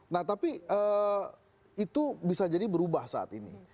nah tapi itu bisa jadi berubah saat ini